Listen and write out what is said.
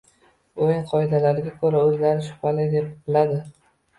Oʻyin qoidalarida koʻra oʻzlari shubhali deb biladi